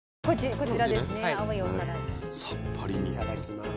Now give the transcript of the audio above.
いただきます。